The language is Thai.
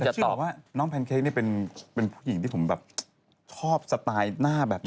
แต่เชื่อบอกว่าน้องแพนเค้กนี่เป็นผู้หญิงที่ผมแบบชอบสไตล์หน้าแบบนี้